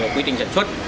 quy trình sản xuất